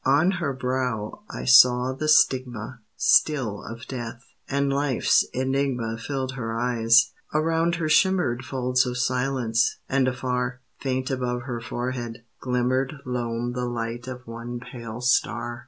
On her brow I saw the stigma Still of death; and life's enigma Filled her eyes: around her shimmered Folds of silence; and afar, Faint above her forehead, glimmered Lone the light of one pale star.